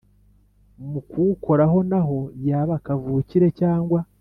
Muwukoraho naho yaba kavukire cyangwa